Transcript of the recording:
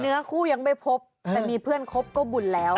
เนื้อคู่ยังไม่พบแต่มีเพื่อนคบก็บุญแล้ว